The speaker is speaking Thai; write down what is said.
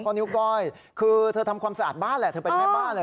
เพราะนิ้วก้อยคือเธอทำความสะอาดบ้านแหละเธอเป็นแม่บ้านเลย